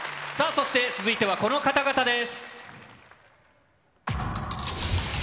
続いては、この方々です。